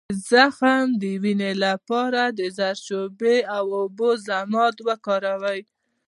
د زخم د وینې لپاره د زردچوبې او اوبو ضماد وکاروئ